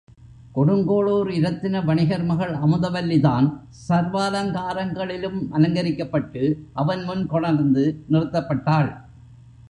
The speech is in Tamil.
கொடுங்கோளூர் இரத்தின வணிகர் மகள் அமுதவல்லி தான் சர்வாலங்காரங்களாலும் அலங்கரிக்கப்பட்டு அவன் முன் கொணர்ந்து நிறுத்தப்பட்டாள்.